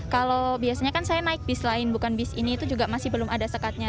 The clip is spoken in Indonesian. kalau biasanya kan saya naik bis lain bukan bis ini itu juga masih belum ada sekatnya